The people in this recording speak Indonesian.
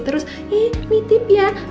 terus ini tip ya